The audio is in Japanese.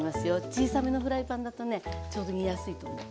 小さめのフライパンだとねちょうど煮やすいと思う。